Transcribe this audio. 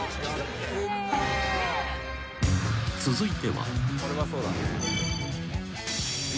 ［続いては］